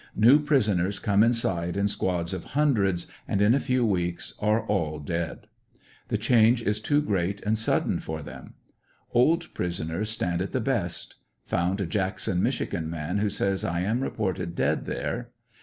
New prisoners come inside in squads of hundreds, and in a few weeks are all dead The change is too great and sudden for them. Old prisoners stand it the best. Found a Jackson, Michigan man, who says I am reported dead there.